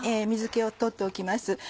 水気を取っておきます。